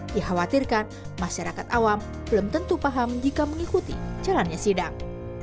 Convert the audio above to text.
dikhawatirkan masyarakat awam belum tentu paham jika mengikuti jalannya sidang